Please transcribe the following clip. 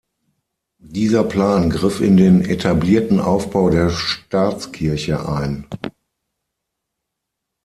Dieser Plan griff in den etablierten Aufbau der Staatskirche ein.